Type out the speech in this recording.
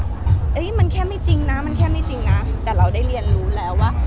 มันแค่ไม่จริงนะมันแค่ไม่จริงนะแต่เราได้เรียนรู้แล้วว่า